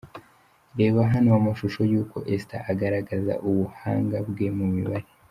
Reba hano amashusho y'uko Esther agaragaza ubuhanga bwe mu mibare.